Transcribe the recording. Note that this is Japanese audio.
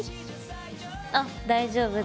あっ大丈夫だ。